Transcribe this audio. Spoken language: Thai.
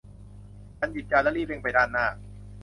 ฉันหยิบจานและรีบเร่งไปด้านหน้า